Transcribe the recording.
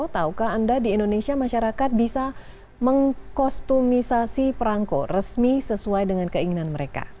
taukah anda di indonesia masyarakat bisa mengkostumisasi perangko resmi sesuai dengan keinginan mereka